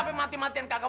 sampai mati matian kakak